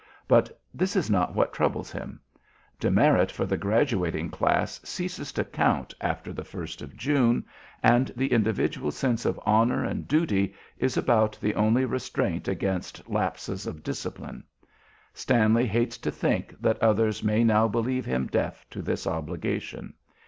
But this is not what troubles him. Demerit for the graduating class ceases to count after the 1st of June, and the individual sense of honor and duty is about the only restraint against lapses of discipline. Stanley hates to think that others may now believe him deaf to this obligation.